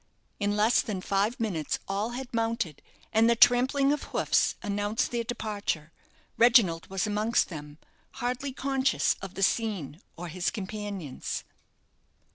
In less than five minutes all had mounted, and the trampling of hoofs announced their departure. Reginald was amongst them, hardly conscious of the scene or his companions.